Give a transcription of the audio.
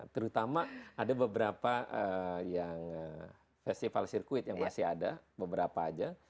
terutama ada beberapa yang festival sirkuit yang masih ada beberapa aja